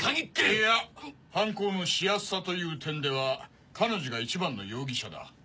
いや犯行のしやすさという点では彼女が一番の容疑者だ。